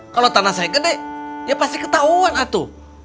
kalau tanah saya gede ya pasti ketahuan atu